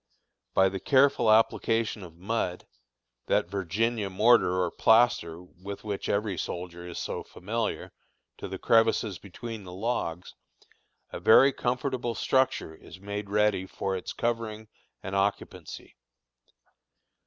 By the careful application of mud that Virginia mortar or plaster with which every soldier is so familiar to the crevices between the logs, a very comfortable structure is made ready for its covering and occupancy.